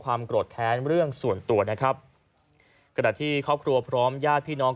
โกรธแค้นเรื่องส่วนตัวนะครับกระดาษที่ครอบครัวพร้อมญาติพี่น้อง